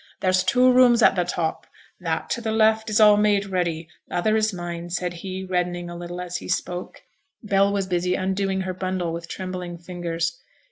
'There's two rooms at the top; that to t' left is all made ready, t' other is mine,' said he, reddening a little as he spoke. Bell was busy undoing her bundle with trembling fingers.